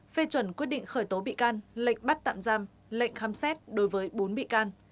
phê chuẩn quyết định khởi tố bị can lệnh bắt tạm giam lệnh khám xét đối với bốn bị can